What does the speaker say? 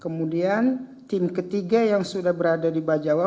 kemudian tim ketiga yang sudah berada di bajawa